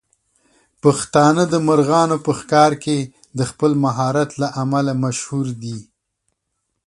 پښتانه د مرغانو په ښکار کې د خپل مهارت له امله مشهور دي.